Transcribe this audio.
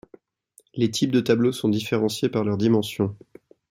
Les types de tableaux sont différenciés par leurs dimensions.